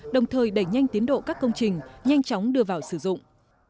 đồng thời đẩy nhanh tiến độ các công trình nhanh chóng đưa vào sử dụng